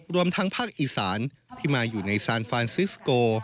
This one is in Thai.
รวมทั้งภาคอีสานที่มาอยู่ในซานฟานซิสโก